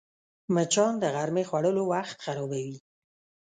مچان د غرمې خوړلو وخت خرابوي